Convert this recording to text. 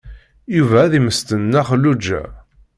Yuba ad immesten Nna Xelluǧa.